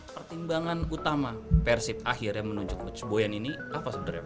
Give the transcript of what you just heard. pertimbangan utama persib akhirnya menunjuk coach boyan ini apa sebenarnya